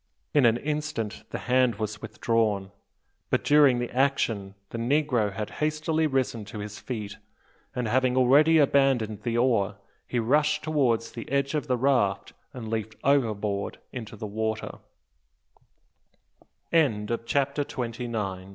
In an instant the hand was withdrawn; but during the action the negro had hastily risen to his feet; and, having already abandoned the oar, he rushed towards the edge of the raft and leaped overboard into the water! CHAPTER THIRTY. THE ZYGAENA.